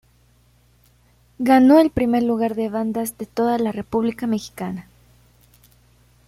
Ganó el primer lugar de bandas de toda la república mexicana.